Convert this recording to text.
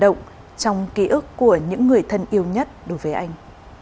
mời quý vị cùng theo dõi câu chuyện cảm động trong ký ức của những người thân yêu nhất đối với anh